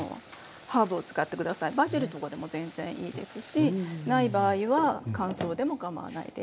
バジルとかでも全然いいですしない場合は乾燥でもかまわないです。